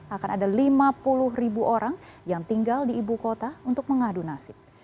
akan ada lima puluh ribu orang yang tinggal di ibu kota untuk mengadu nasib